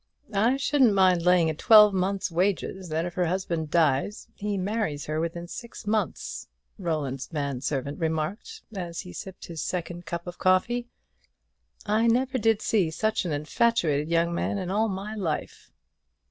"I shouldn't mind laying a twelvemonth's wages that if her husband dies, he marries her within six months," Roland's man servant remarked, as he sipped his second cup of coffee; "I never did see such an infatuated young man in all my life."